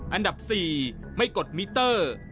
อันดับ๔ไม่กดมิเตอร์